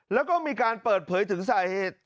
แล้วก็มีการเปิดเผยถึงสาเหตุ